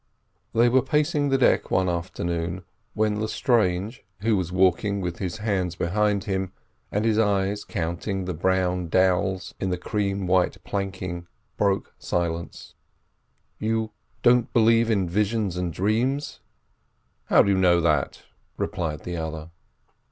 They were pacing the deck one afternoon, when Lestrange, who was walking with his hands behind him, and his eyes counting the brown dowels in the cream white planking, broke silence. "You don't believe in visions and dreams?" "How do you know that?" replied the other.